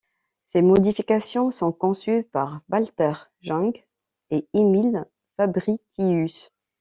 Ces modifications sont conçues par Valter Jung et Emil Fabritius.